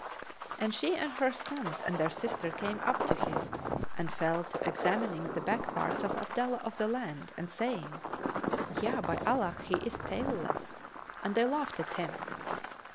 And she and her sons and their sister came up to him and fell to examining the back parts of Abdullah of the Land, and saying, "Yea, by Allah, he is tailless!"; and they laughed at him.